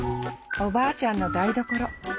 おばあちゃんの台所。